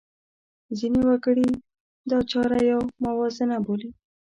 ځینې وګړي دا چاره یوه موازنه بولي.